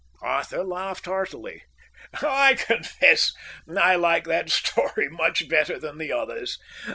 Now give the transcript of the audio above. Arthur laughed heartily. "I confess I like that story much better than the others.